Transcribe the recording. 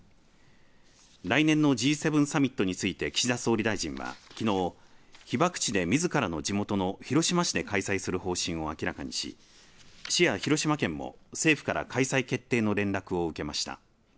来年のＧ７サミットについて岸田総理大臣はきのう、被爆地でみずからの地元の広島市で開催する方針を明らかにし市や広島県も政府から開催決定の連絡を受けました。